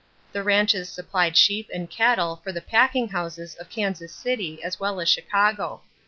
The ranches supplied sheep and cattle for the packing houses of Kansas City as well as Chicago.